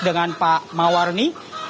dengan pak marwani